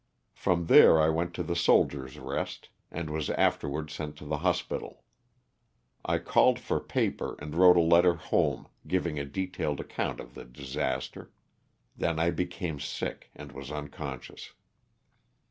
From there I went to the '^Soldiers' Rest" and was afterwards sent to the hospital. I called for paper and wrote a letter home, giving a detailed ac count of the disaster. Then I became sick and was unconscious.